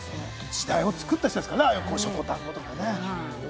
時代を作った人ですからね、しょこたん語とかね。